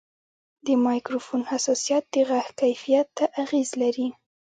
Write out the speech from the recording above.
د مایکروفون حساسیت د غږ کیفیت ته اغېز لري.